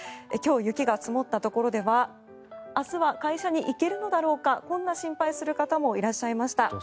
今日、雪が積もったところでは明日は会社に行けるのだろうかこんな心配をする方もいらっしゃいました。